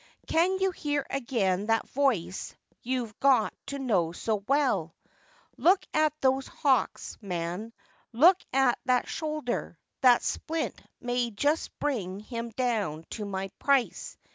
Can you hear again that voice you've got to know so well ?" Look at those hocks, man ; look at that shoulder ; that splint may just bring him down to my price."